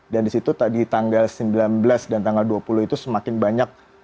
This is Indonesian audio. dan di situ tadi tanggal sembilan belas dan tanggal dua puluh itu semakin banyak